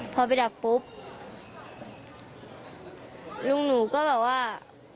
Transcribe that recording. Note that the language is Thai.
พอไปดับปุ๊บลุงหนูก็แบบว่า